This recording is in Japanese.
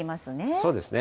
そうですね。